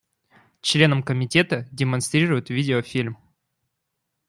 Членам Комитета демонстрируют видеофильм.